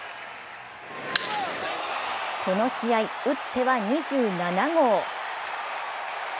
この試合、打っては２７号。